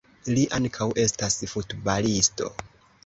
Li ankaŭ estas futbalisto.